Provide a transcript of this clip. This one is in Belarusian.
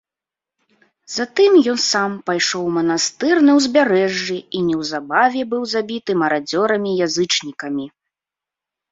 Затым ен сам пайшоў у манастыр на ўзбярэжжы і неўзабаве быў забіты марадзёрамі-язычнікамі.